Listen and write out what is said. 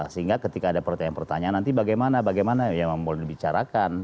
sehingga ketika ada pertanyaan pertanyaan nanti bagaimana bagaimana yang boleh dibicarakan